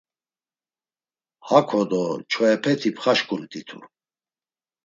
Hako do çoepeti pxaşǩumt̆itu.